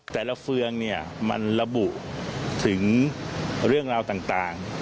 เฟืองเนี่ยมันระบุถึงเรื่องราวต่าง